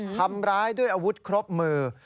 ทำร้ายด้วยอาวุธครบมือ